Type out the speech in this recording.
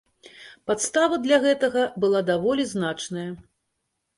Падстава для гэтага была даволі значная.